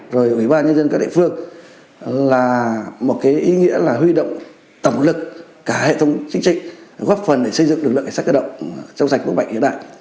rồi ủy ban nhân dân các địa phương là một cái ý nghĩa là huy động tổng lực cả hệ thống chính trị góp phần để xây dựng lực lượng cảnh sát cơ động trong giành quốc mạnh hiện đại